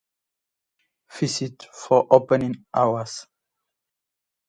Visit for opening hours.